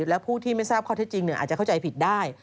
และผู้ที่ไม่ทราบข้อเท็จจริงอาจจะเข้าใจผิดได้